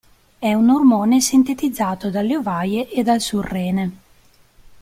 È un ormone sintetizzato dalle ovaie e dal surrene.